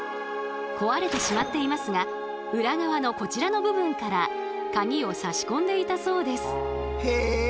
壊れてしまっていますが裏側のこちらの部分から鍵を差し込んでいたそうです。